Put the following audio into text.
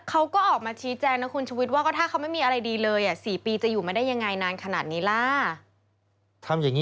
เอาไปละกันม๑๑๖ยุคโยงปลูกปั่น